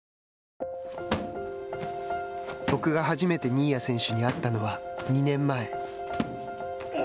僕が初めて新谷選手に会ったのは２年前。